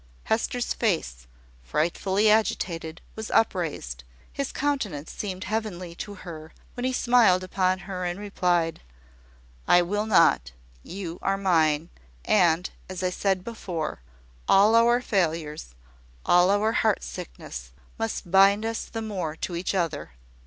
Hester's face, frightfully agitated, was upraised: his countenance seemed heavenly to her when he smiled upon her, and replied "I will not. You are mine; and, as I said before, all our failures, all our heart sickness, must bind us the more to each other."